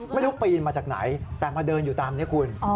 ปีนมาจากไหนแต่มาเดินอยู่ตามนี้คุณ